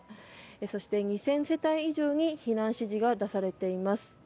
そして２０００世帯以上に避難指示が出されています。